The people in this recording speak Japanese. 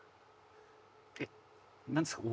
えっ何ですか？